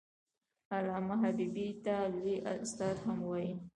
علامه حبيبي ته لوى استاد هم وايي.